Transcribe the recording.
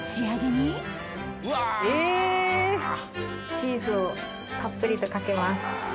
チーズをたっぷりとかけます。